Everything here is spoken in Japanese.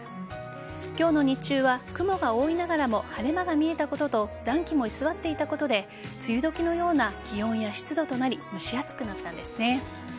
今日の日中は、雲が多いながらも晴れ間が見えたことと暖気も居座っていたことで梅雨時のような気温や湿度となり蒸し暑くなったんですね。